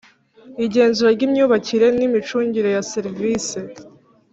Igenzura ry imyubakire n imicungire ya serivise